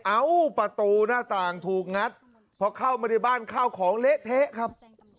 เอ้าประตูหน้าต่างถูกงัดพอเข้ามาในบ้านข้าวของเละเทะครับ